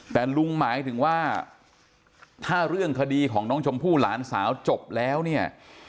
แต่ลุงหมายถึงว่าถ้าเรื่องคดีของน้องชมพู่หลานสาวจบแล้วเนี่ย